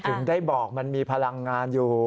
ถึงได้บอกมันมีพลังงานอยู่